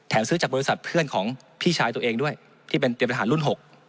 ซื้อจากบริษัทเพื่อนของพี่ชายตัวเองด้วยที่เป็นเตรียมทหารรุ่น๖